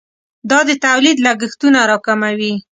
دا د تولید لګښتونه راکموي.